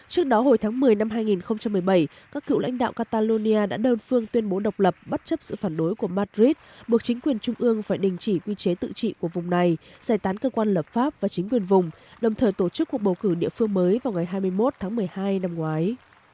trước đó hồi tháng một mươi năm hai nghìn một mươi bảy các cựu lãnh đạo catalonia đã đơn phương tuyên bố độc lập bất chấp sự phản đối của madrid buộc chính quyền trung ương phải đình chỉ quy chế tự trị của vùng này giải tán cơ quan lập pháp và chính quyền vùng đồng thời tổ chức cuộc bầu cử địa phương mới vào ngày hai mươi một tháng một mươi hai năm ngoái